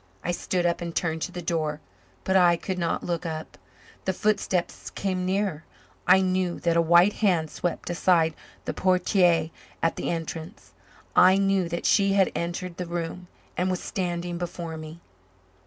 I stood up and turned to the door, but I could not look up. The footsteps came nearer; I knew that a white hand swept aside the portière at the entrance; I knew that she had entered the room and was standing before me.